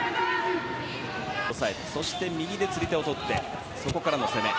そして右でつり手をとってそこからの攻め。